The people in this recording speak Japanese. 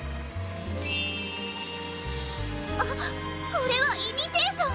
これはイミテーション！